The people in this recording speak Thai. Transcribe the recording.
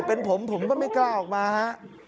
เป็นผมผมก็ไม่กล้าออกมาฮะ